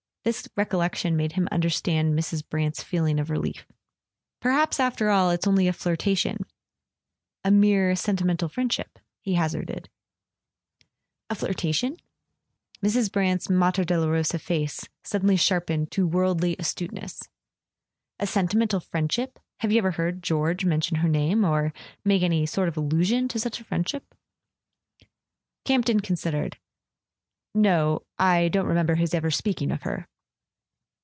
This recollection made him understand Mrs. Brant's feeling of relief. [ 303 ] A SON AT THE FRONT "Perhaps, after all, it's only a flirtation—a mere sentimental friendship," he hazarded. "A flirtation?" Mrs. Brant's Mater Dolorosa face suddenly sharpened to worldly astuteness. "A senti¬ mental friendship ? Have you ever heard George men¬ tion her name—or make any sort of allusion to such a friendship?" Camp ton considered. "No. I don't remember his ever speaking of her."